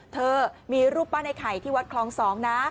เธอมีรูปปั้นไอ้ไข่ที่วัดคลอง๒นะ